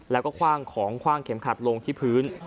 แล้วก็คว่างของคว่างเข็มขัดลงที่พื้น